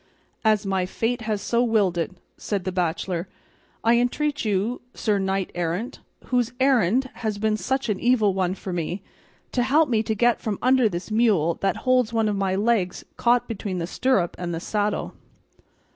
"As my fate has so willed it," said the bachelor, "I entreat you, sir knight errant, whose errand has been such an evil one for me, to help me to get from under this mule that holds one of my legs caught between the stirrup and the saddle."